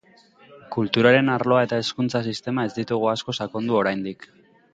Kulturaren arloa eta hezkuntza sistema ez ditugu asko sakondu oraindik.